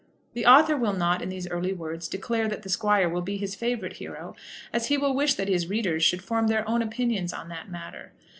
The author will not, in these early words, declare that the squire will be his favourite hero, as he will wish that his readers should form their own opinions on that matter.